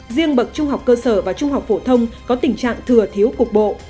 riêng bậc trung học cơ sở và trung học phổ thông có tình trạng thừa thiếu cục bộ